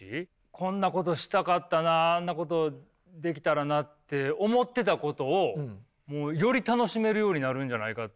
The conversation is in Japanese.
こんなことしたかったなあんなことできたらなって思ってたことをもうより楽しめるようになるんじゃないかって。